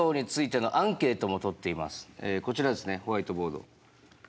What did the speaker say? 一応こちらですねホワイトボード。